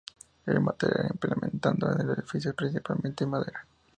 El material implementado en el edificio es principalmente madera.